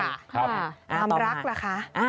ความรักล่ะคะ